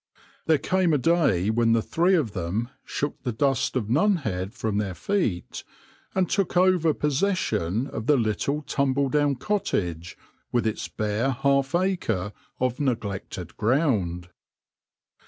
There came a day when the three of them shook the dust of Nunhead from their feet, and took over pos session of the little tumble down cottage with its bare half acre of neglected ground.